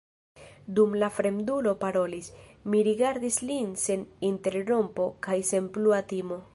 Dum la fremdulo parolis, mi rigardis lin sen interrompo kaj sen plua timo.